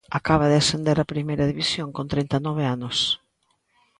Acaba de ascender a Primeira División con trinta e nove anos.